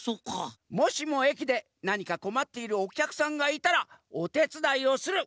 もしも駅でなにかこまっているおきゃくさんがいたらおてつだいをする！